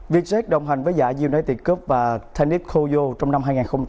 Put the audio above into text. vietjet đồng hành với giả united cup và tennis koyo trong năm hai nghìn hai mươi bốn